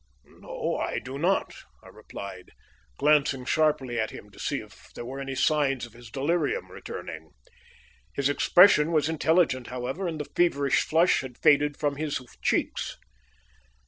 "No, I do not," I replied, glancing sharply at him to see if there were any signs of his delirium returning. His expression was intelligent, however, and the feverish flush had faded from his cheeks.